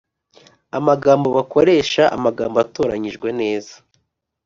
amagambo bakoresha agambo atoranyijwe neza